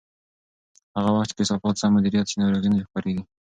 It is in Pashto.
هغه وخت چې کثافات سم مدیریت شي، ناروغۍ نه خپرېږي.